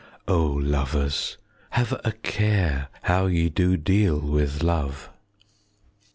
Oh lovers, have a care How ye do deal with love.